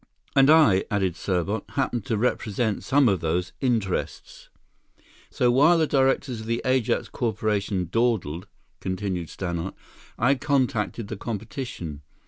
"And I," added Serbot, "happened to represent some of those interests." "So while the directors of the Ajax Corporation dawdled," continued Stannart, "I contacted the competition.